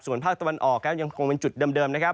ส่วนภาคตะวันออกครับยังคงเป็นจุดเดิมนะครับ